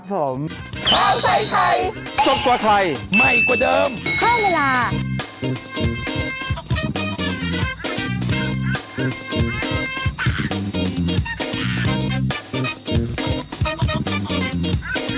โปรดติดตามตอนต่อไป